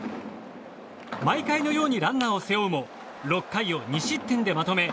毎回のようにランナーを背負うも６回を２失点でまとめ